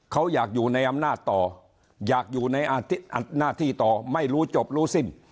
เขาอยากอยู่ในอำนาจต่ออยากอยู่ในหน้าที่ต่อไม่รู้จบรู้สิ้น